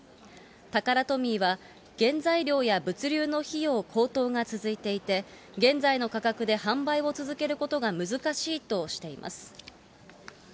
タカラトミーは、原材料や物流の費用高騰が続いていて、現在の価格で販売を続けることが難しいとしています。